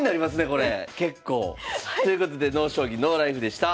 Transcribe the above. これ結構。ということで「ＮＯ将棋ＮＯＬＩＦＥ」でした。